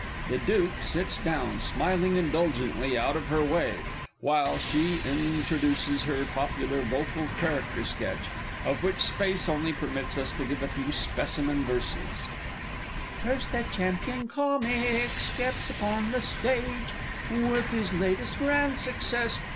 The Duke _sits down, smiling indulgently, out of her way, while she introduces her popular Vocal Character Sketch, of which space only permits us to give a few specimen verses_. First the Champion Comic Steps upon the stage; With his latest "Grand Success."